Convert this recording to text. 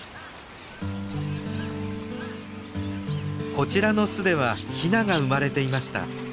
こちらの巣ではヒナが生まれていました。